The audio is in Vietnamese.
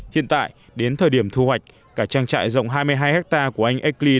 hiện tại đến thời điểm thu hoạch cả trang trại rộng hai mươi hai hectare của anh ackley